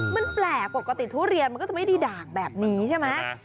มันแปลกปกติทุเรียนมันก็จะไม่ได้ด่างแบบนี้ใช่ไหม